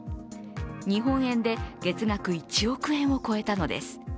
日本円で月額１億円を超えたのです